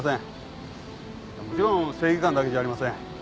もちろん正義感だけじゃありません。